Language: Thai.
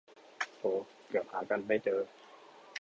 โถ เกือบหากันไม่เจอ